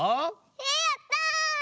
えやった！